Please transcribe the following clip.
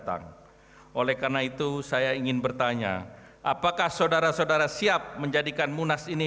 apakah saudara saudara siap menjadikan munas ini